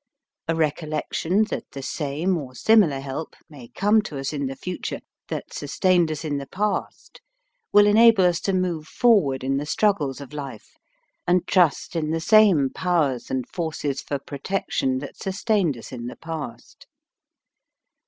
A recollection that the same or similar help may come to us in the future that sustained us in the past will enable us to move forward in the struggles of life and trust in the same powers and forces for pro tection that sustained us in the past.